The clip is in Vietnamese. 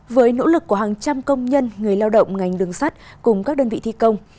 với nỗ lực của hàng trăm công nhân người lao động ngành đường sắt cùng các đơn vị thi công